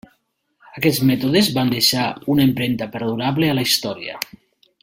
Aquests mètodes van deixar una empremta perdurable en la història.